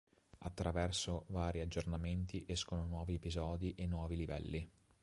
Attraverso vari aggiornamenti escono nuovi episodi e nuovi livelli.